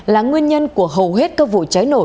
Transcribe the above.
là nguyên nhân của hầu hết các vụ cháy nổ